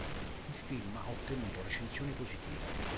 Il film ha ottenuto recensioni positive.